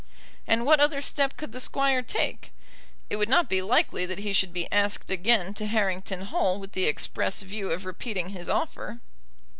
And what other step could the Squire take? It would not be likely that he should be asked again to Harrington Hall with the express view of repeating his offer.